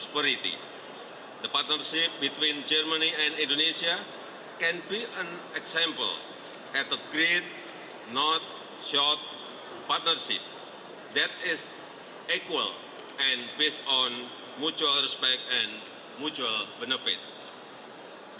pertempuran antara jerman dan indonesia bisa menjadi contoh untuk pertempuran yang besar tidak kecil yang sama dan berdasarkan resmi dan persetujuan